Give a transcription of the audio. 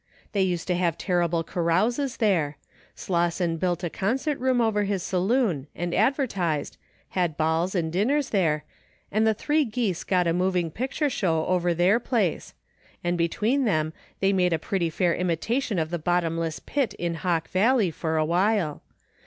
They used to have terrible carouses there. Slosson built a concert room over his saloon, and advertised — ^had balls and dinners there, and The Three Geese got a moving picture show over their place ; and between them they made a pretty fair imita tion of the bottomless pit in Hawk Valley for a while.